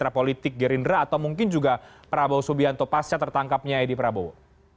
berimplikasi terhadap partai gerindra atau mungkin juga prabowo subianto pasca tertangkapnya edi prabowo